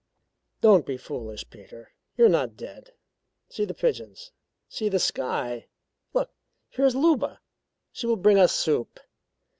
"Don't be foolish, Peter. You're not dead. See the pigeons; see the sky. Look, here is Luba she will bring us soup."